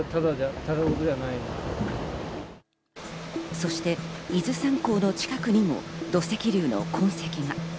そして伊豆山港の近くにも土石流の痕跡が。